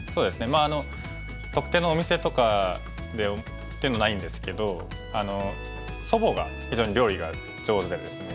まあ特定のお店とかでっていうのはないんですけど祖母が非常に料理が上手でですね。